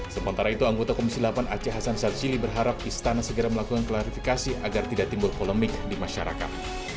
sementara itu anggota komisi delapan aceh hasan sadzili berharap istana segera melakukan klarifikasi agar tidak timbul polemik di masyarakat